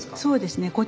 そうですね。